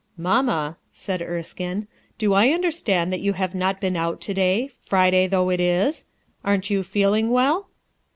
'* "Mamma/' said Erskine. "Do I understand that you have not been out, to day, Friday, though it is? Aren't you feeling well?"